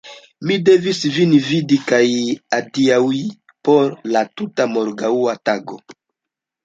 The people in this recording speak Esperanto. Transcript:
Mi devis vin vidi kaj adiaŭi por la tuta morgaŭa tago.